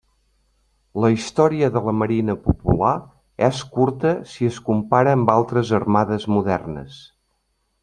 La història de la Marina Popular és curta si es compara amb altres armades modernes.